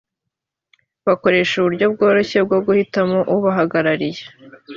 bakoresha uburyo bworoshye bwo guhitamo ubahagarariye